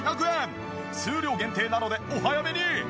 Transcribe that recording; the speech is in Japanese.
数量限定なのでお早めに！